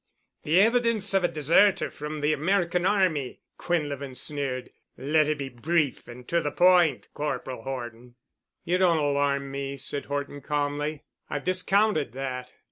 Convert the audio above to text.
"The evidence of a deserter from the American army," Quinlevin sneered. "Let it be brief and to the point, Corporal Horton." "You don't alarm me," said Horton calmly. "I've discounted that.